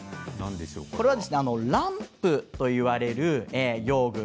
これはランプといわれる用具ですね。